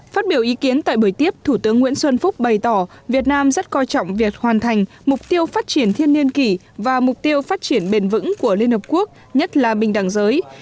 phát biểu ý kiến tại buổi tiếp thủ tướng nguyễn xuân phúc bày tỏ việt nam rất coi trọng việc hoàn thành mục tiêu phát triển thiên niên kỷ và mục tiêu phát triển bền vững của liên hợp quốc nhất là bình đẳng giới